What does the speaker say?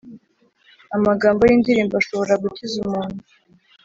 amagambo yindirimbo ashobora gukiza umuntu